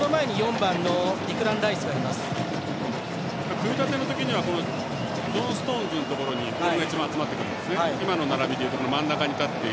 組み立ての時にはジョン・ストーンズのところに一番集まってくるんですね。